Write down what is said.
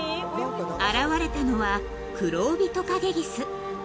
［現れたのはクロオビトカゲギス］